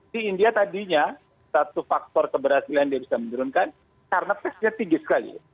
di india tadinya satu faktor keberhasilan dia bisa menurunkan karena tesnya tinggi sekali